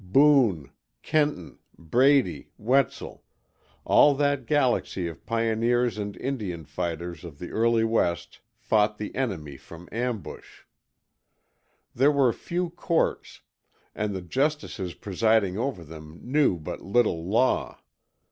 Boone, Kenton, Brady, Wetzel all that galaxy of pioneers and Indian fighters of the early West fought the enemy from ambush. There were few courts, and the justices presiding over them knew but little law.